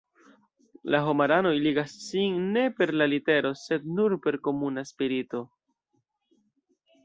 La homaranoj ligas sin ne per la litero sed nur per komuna spirito.